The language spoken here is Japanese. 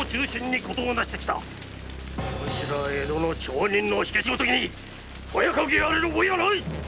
お主ら江戸町人の火消しごときにとやかく言われる覚えはない！